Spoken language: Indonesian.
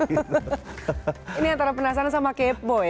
ini antara penasaran sama kepo ya